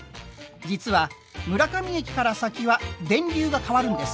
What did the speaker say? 実は村上駅から先は電流が変わるんです。